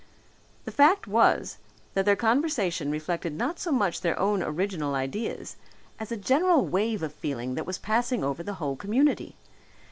The fact was that their conversation reflected not so much their own original ideas as a general wave of feeling that was passing over the whole community.